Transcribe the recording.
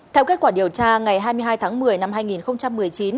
theo kết quả điều tra ngày hai mươi hai tháng một mươi năm hai nghìn một mươi chín